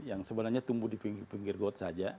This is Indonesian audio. yang sebenarnya tumbuh di pinggir pinggir got saja